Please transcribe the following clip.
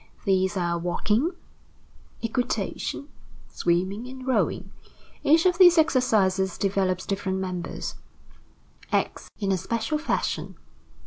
These are walking, equitation, swimming, and rowing. Each of these exercises develops different members, acts in a special fashion.